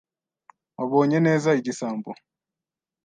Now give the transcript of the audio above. Wabonye neza igisambo?